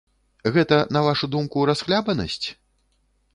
Гэта, на вашу думку, расхлябанасць?